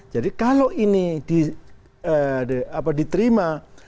jadi kalau ini diterima